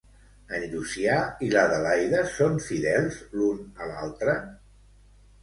En Llucià i l'Adelaida són fidels l'un a l'altre?